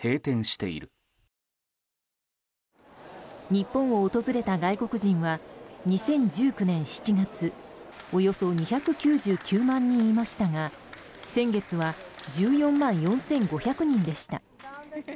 日本を訪れた外国人は２０１９年７月およそ２９９万人いましたが先月は１４万４５００人でした。